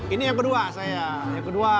ini yang kedua saya